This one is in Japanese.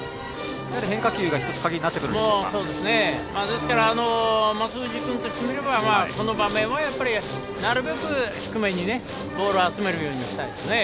ですから、松藤君としてみればこの場面は、なるべく低めにボールを集めるようにしたいですね。